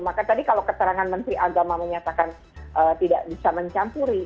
maka tadi kalau keterangan menteri agama menyatakan tidak bisa mencampuri